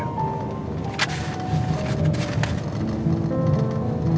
itu pun kalau kamu izinkan saya